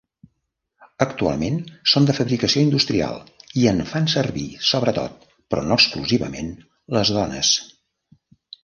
Actualment són de fabricació industrial i en fan servir sobretot, però no exclusivament, les dones.